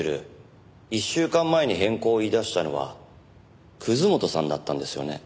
１週間前に変更を言い出したのは本さんだったんですよね？